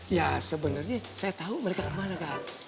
ya sebenernya saya tau mereka kemana kan